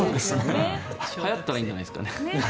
はやったらいいんじゃないですかね。